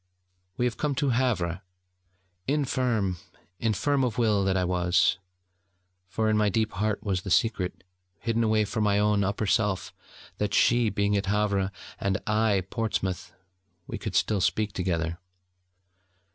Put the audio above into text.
We came to Havre infirm, infirm of will that I was: for in my deep heart was the secret, hidden away from my own upper self, that, she being at Havre, and I at Portsmouth, we could still speak together.